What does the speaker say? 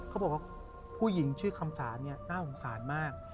เขาบอกว่าผู้หญิงชื่อคำสาเนี่ยน่าสงสารมาก